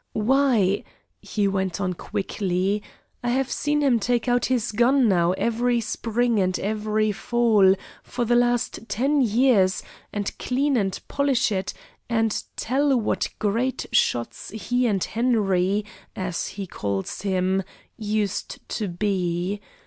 Why," he went on quickly, "I have seen him take out his gun now every spring and every fall for the last ten years and clean and polish it and tell what great shots he and Henry, as he calls him, used to be.